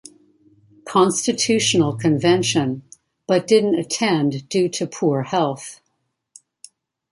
Constitutional Convention, but didn't attend due to poor health.